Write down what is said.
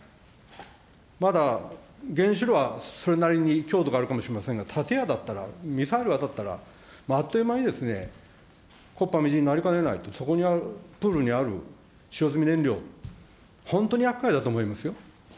まだ原子炉は、それなりに強度があるかもしれませんが、建屋だったら、ミサイルが当たったら、あっという間に木っ端みじんになりかねないと、そこにある、プールにある使用済み燃料、本当にやっかいだと思いますよ。